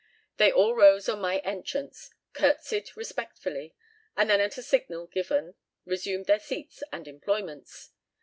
They all rose on my entrance, curtsied respectfully, and then at a signal given resumed their seats and employments.